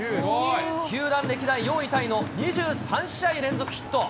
球団歴代４位タイの２３試合連続ヒット。